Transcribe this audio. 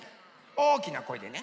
おおきなこえでね。